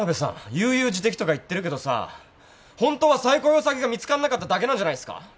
悠々自適とか言ってるけどさホントは再雇用先が見つかんなかっただけなんじゃないですか？